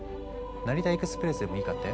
成田エクスプレスでもいいかって？